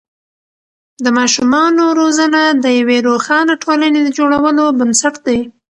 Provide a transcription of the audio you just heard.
د ماشومانو روزنه د یوې روښانه ټولنې د جوړولو بنسټ دی.